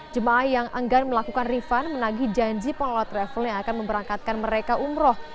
jemaah yang enggan melakukan refund menagi janji pengelola travel yang akan memberangkatkan mereka umroh